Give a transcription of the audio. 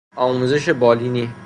آموزش بالینی